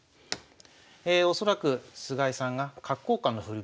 恐らく菅井さんが角交換の振り